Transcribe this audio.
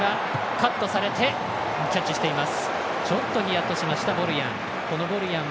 ちょっと、ひやっとしましたボルヤン。